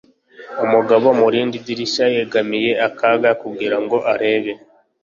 umugabo mu rindi dirishya yegamiye akaga kugira ngo arebe